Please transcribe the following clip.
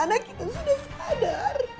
anak kita sudah sadar